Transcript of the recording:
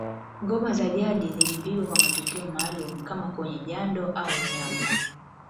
Ngoma za jadi zilipigwa kwa matukio maalumu kama kwenye jando au unyago